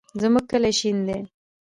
زمونږ کلی شین دی